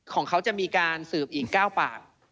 ของเขาจะมีการสืบอีก๙ปาก